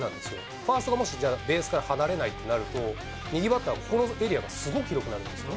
ファーストがもしベースから離れないとなると、右バッターがここのエリアがすごく広くなるんですよね。